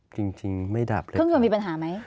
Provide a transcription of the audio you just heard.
จริงไม่ดับเลยเครื่องยนต์มีปัญหาไหม